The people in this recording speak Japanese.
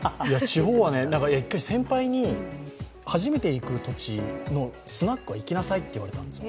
地方は先輩に初めて行く土地のスナックは行きなさいって言われたんです。